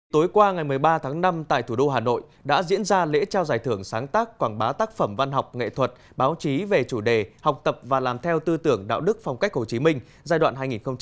tối qua ngày một mươi ba tháng năm tại thủ đô hà nội đã diễn ra lễ trao giải thưởng sáng tác quảng bá tác phẩm văn học nghệ thuật báo chí về chủ đề học tập và làm theo tư tưởng đạo đức phong cách hồ chí minh giai đoạn hai nghìn một mươi chín hai nghìn hai mươi